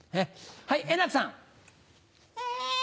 はい円楽さん。